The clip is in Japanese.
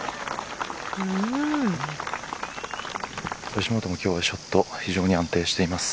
吉本も今日ショット非常に安定しています。